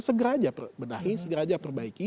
segera aja benahi segera aja perbaiki